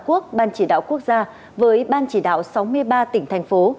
tổ chức tổ quốc ban chỉ đạo quốc gia với ban chỉ đạo sáu mươi ba tỉnh thành phố